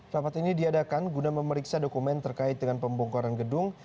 rapat ini diadakan guna memeriksa dokumen terkait dengan pembongkaran gedung